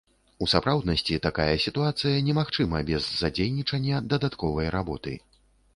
У сапраўднасці такая сітуацыя не магчыма без задзейнічання дадатковай работы.